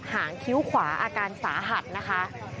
หางคิ้วขวาอาการสาหัสนะคะ